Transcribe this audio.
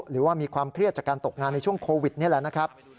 หรือว่ามีความเครียดจากการตกงานในช่วงโควิดนี่แหละนะครับ